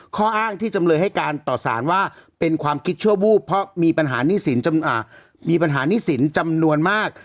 ข้ออ้างที่จำเลยให้การต่อสารว่าเป็นความคิดชั่ววูบเพราะมีปัญหาหนี้สินจำนวนมาก